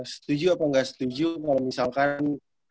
setuju apa gak setuju kalau misalkan